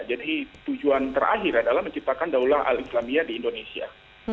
jadi tujuan terakhir adalah menciptakan daulat al islamiyah di indonesia